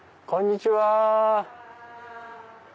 こんにちは。